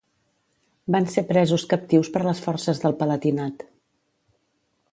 Van ser presos captius per les forces del Palatinat.